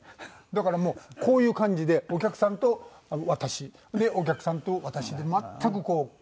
だからもうこういう感じでお客さんと私お客さんと私で全くこう目線は合わなかったです。